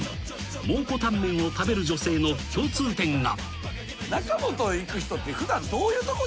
［蒙古タンメンを食べる女性の共通点が］